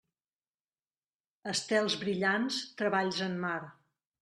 Estels brillants, treballs en mar.